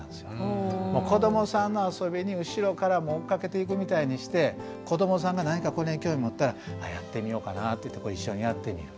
子どもさんの遊びに後ろから追っかけていくみたいにして子どもさんが何かこれに興味持ったらあやってみようかなっていって一緒にやってみる。